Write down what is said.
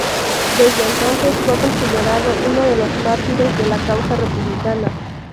Desde entonces fue considerado uno de los mártires de la causa republicana.